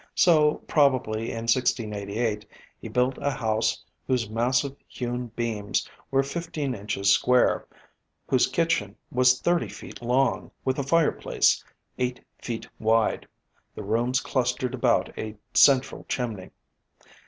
So, probably in 1688, he built a house whose massive hewn beams were fifteen inches square, whose kitchen was thirty feet long, with a fireplace eight feet wide. The rooms clustered about a central chimney.